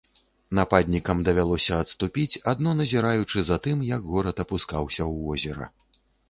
Нападнікам давялося адступіць, адно назіраючы за тым, як горад апускаўся ў возера.